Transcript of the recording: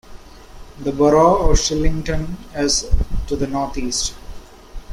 The borough of Shillington is to the northeast.